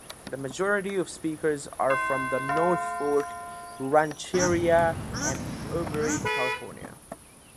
The majority of speakers are from the Northfork Rancheria and Auberry, California.